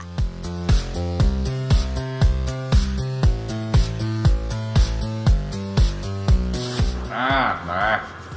ทุกวันล่ะไง